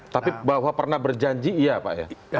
tapi bahwa pernah berjanji iya pak ya